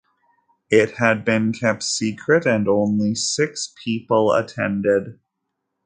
It had been kept secret and only six people attended.